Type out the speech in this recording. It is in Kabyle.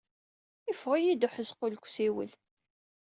Iffeɣ-iyi-d uḥezqul seg usiwel!